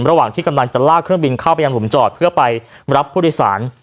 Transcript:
ระหว่างที่กำลังจะลากเครื่องบินเข้าไปยังหลุมจอดเพื่อไปรับผู้โดยสาร